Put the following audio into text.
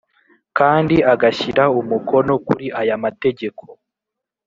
kandi agashyira umukono kuri aya mategeko